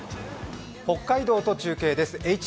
北海道と中継です。